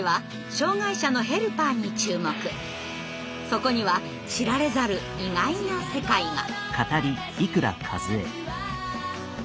そこには知られざる意外な世界が。